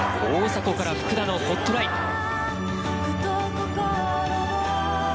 大迫から福田のホットライン。